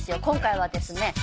今回はですね